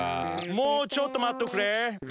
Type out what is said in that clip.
もうちょっと待っとくれ。